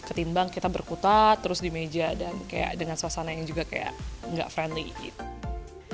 ketimbang kita berkutat terus di meja dan kayak dengan suasana yang juga kayak nggak friendly gitu